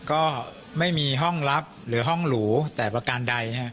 ก็ไม่มีห้องลับหรือห้องหรูแต่ประการใด